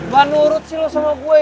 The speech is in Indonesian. banurut sih lo sama gue